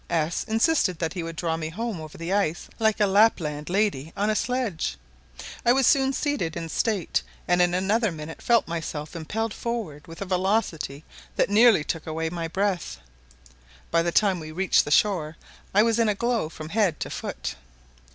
S insisted that he would draw me home over the ice like a Lapland lady on a sledge. I was soon seated in state, and in another minute felt myself impelled forward with a velocity that nearly took away my breath. By the time we reached the shore I was in a glow from head to foot.